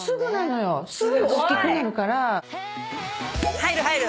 入る入る。